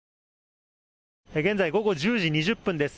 現在、午後１０時２０分です。